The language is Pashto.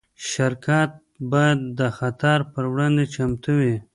شرکت باید د خطر پر وړاندې چمتو وي.